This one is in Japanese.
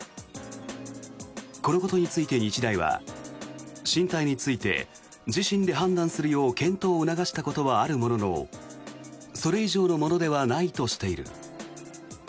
このことについて日大は進退について自身で判断するよう検討を促したことはあるもののそれ以上のものではないとしている。